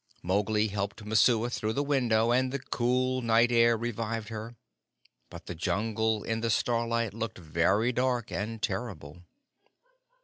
Mowgli helped Messua through the window, and the cool night air revived her, but the Jungle in the starlight looked very dark and terrible.